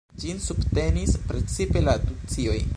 Ĝin subtenis precipe la tucioj.